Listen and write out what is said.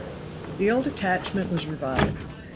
THE old attachment was revived.